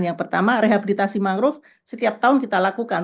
yang pertama rehabilitasi mangrove setiap tahun kita lakukan